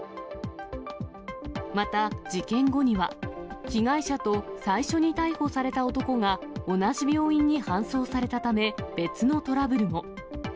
また事件後には、被害者と最初に逮捕された男が同じ病院に搬送されたため、別のトラブルも。